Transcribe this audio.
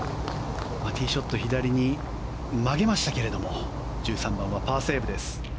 ティーショットを左に曲げましたけれども１３番はパーセーブです。